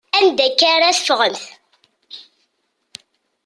Anda akka ara teffɣemt?